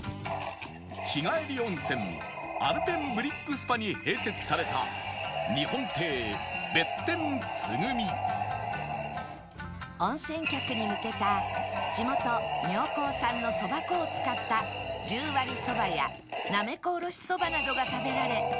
日帰り温泉アルペンブリックスパに併設された温泉客に向けた地元妙高産のそば粉を使った１０割そばやなめこおろしそばなどが食べられ